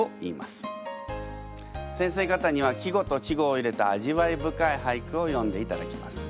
先生方には季語と稚語を入れた味わい深い俳句を詠んでいただきます。